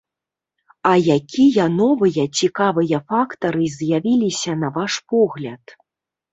А якія новыя цікавыя фактары з'явіліся, на ваш погляд?